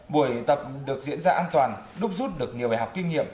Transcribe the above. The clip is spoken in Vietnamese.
buổi tập được diễn ra an toàn đúc rút được nhiều bài học kinh nghiệm